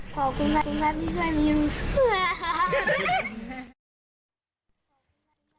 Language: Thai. ขอบคุณมากที่ช่วยแมนยู